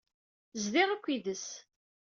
Zdiɣ akid-s.